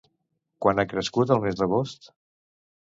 Quant ha crescut al mes d'agost?